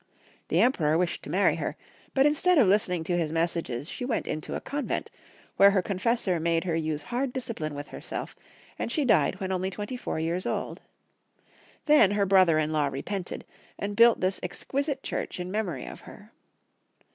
The Emperor wished to marry her, but instead of listening to his messages she went into a convent, where her con fessor made her use hard discipline with herself, and she died when only twenty four years old. Then her brother in law repented, and built this exquisite church in memory of her.